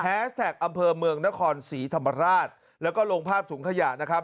แท็กอำเภอเมืองนครศรีธรรมราชแล้วก็ลงภาพถุงขยะนะครับ